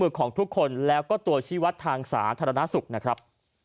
ของทุกคนแล้วก็ตัวชีวัตรทางสาธารณสุขนะครับ